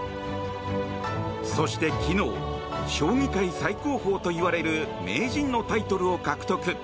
そして、昨日将棋界最高峰といわれる名人のタイトルを獲得。